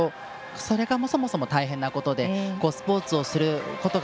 それが、そもそも大変なことでスポーツをすることが